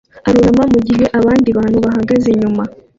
arunama mugihe abandi bantu bahagaze inyuma